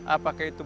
apakah itu benar